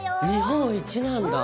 あっ日本一なんだ！